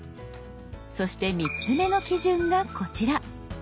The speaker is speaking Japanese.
そして３つ目の基準がこちら。